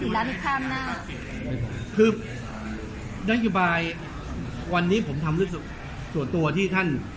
ที่ข้ามหน้าคือนักกิบายวันนี้ผมทำเรื่องส่วนตัวที่ท่าน